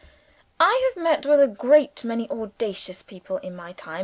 I have met with a great many audacious people in my time.